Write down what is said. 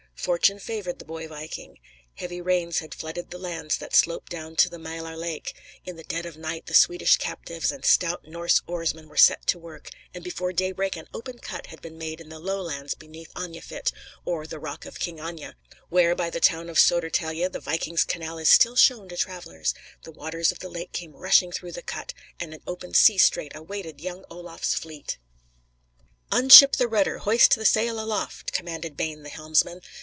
Fortune favored the boy viking. Heavy rains had flooded the lands that slope down to the Maelar Lake; in the dead of night the Swedish captives and stout Norse oarsmen were set to work, and before daybreak an open cut had been made in the lowlands beneath Agnefit, or the "Rock of King Agne," where, by the town of Sodertelje, the vikings' canal is still shown to travellers; the waters of the lake came rushing through the cut, and an open sea strait awaited young Olaf's fleet. "Unship the rudder; hoist the sail aloft!" commanded Bane the helmsman.